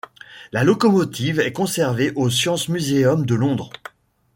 La locomotive est conservée au Science Museum de Londres.